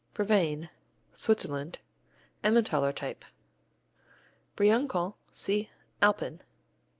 Brevine Switzerland Emmentaler type. Briançon see Alpin.